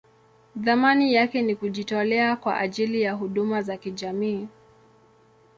Thamani yake ni kujitolea kwa ajili ya huduma za kijamii.